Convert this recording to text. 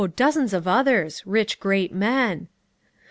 dozens of others, rich, great men.